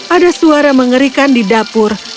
ada suara mengerikan di dapur